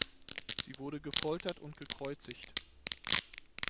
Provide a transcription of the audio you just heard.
Sie wurde gefoltert und gekreuzigt.